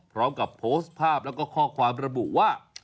พร้อมกับโพสต์ภาพแล้วก็ข้อความระบุว่า